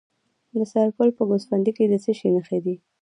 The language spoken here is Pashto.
د سرپل په ګوسفندي کې د څه شي نښې دي؟